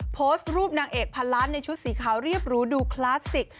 โพสต์รูปนางเอกพันล้านในชุดสีขาวเรียบหรูดูคลาสสิก